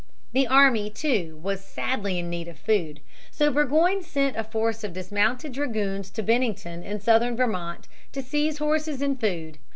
The army, too, was sadly in need of food. So Burgoyne sent a force of dismounted dragoons to Bennington in southern Vermont to seize horses and food.